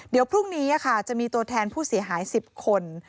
เดี๋ยวพรุ่งนี้จะมีตัวแทนผู้เสียหาย๑๐คน